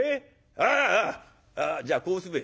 ああじゃあこうすべえ。